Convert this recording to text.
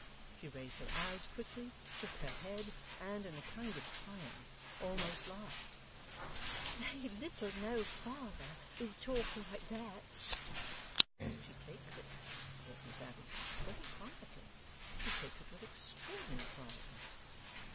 She raised her eyes quickly, shook her head, and, in a kind of triumph, almost laughed. 'They little know father who talk like that!' ['She takes it,' thought Miss Abbey, 'very quietly. She takes it with extraordinary quietness!